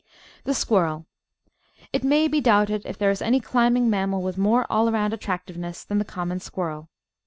The Squirrel It may be doubted if there is any climbing mammal with more all round attractiveness than the Common Squirrel.